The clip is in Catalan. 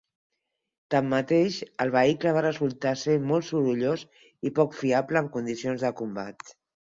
Tanmateix, el vehicle va resultar ser molt sorollós i poc fiable en condicions de combat.